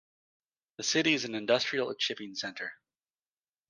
The city is an industrial and shipping center.